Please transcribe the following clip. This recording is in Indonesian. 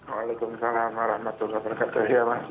waalaikumsalam warahmatullahi wabarakatuh